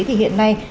thì hiện nay